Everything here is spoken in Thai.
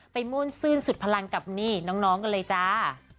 ไปมนต์เสื่อนสุดพลังกับนี่น้องกันเลยจ้า